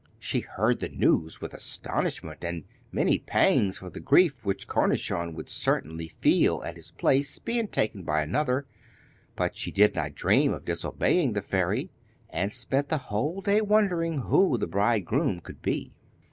She heard the news with astonishment, and many pangs for the grief which Cornichon would certainly feel at his place being taken by another; but she did not dream of disobeying the fairy, and spent the whole day wondering who the bridegroom could be.